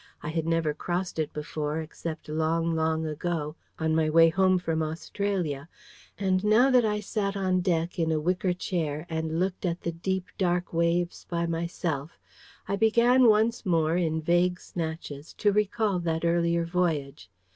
I had never crossed it before, except long, long ago, on my way home from Australia. And now that I sat on deck, in a wicker chair, and looked at the deep dark waves by myself, I began once more, in vague snatches, to recall that earlier voyage.